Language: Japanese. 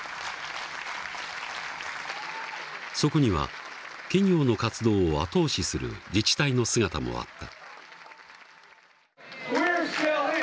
そこには企業の活動を後押しする自治体の姿もあった。